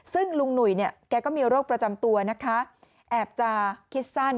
ซึ่งลุงหนุ่ยแกก็มีโรคประจำตัวแอบจากคิดสั้น